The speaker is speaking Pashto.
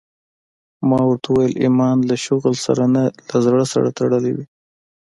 ما ورته وويل ايمان له شغل سره نه له زړه سره تړلى وي.